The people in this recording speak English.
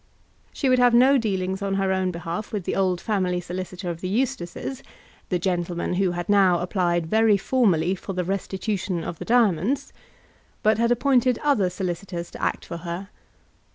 She would have no dealings on her own behalf with the old family solicitor of the Eustaces, the gentleman who had now applied very formally for the restitution of the diamonds; but had appointed other solicitors to act for her.